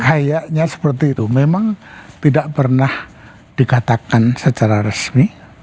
kayaknya seperti itu memang tidak pernah dikatakan secara resmi